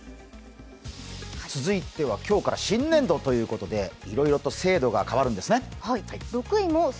続いては今日から新年度ということでいろいろと制度が変わるんですね。